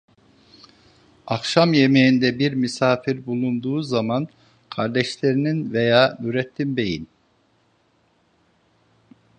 Akşam yemeğinde bir misafir bulunduğu zaman kardeşlerinin veya Nurettin beyin: